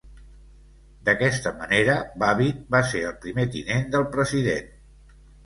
D"aquesta manera, Babbitt va ser el primer tinent del president.